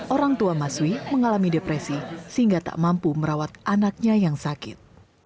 orang tua mas wi mengalami depresi sehingga tak mampu merawat anaknya yang sakit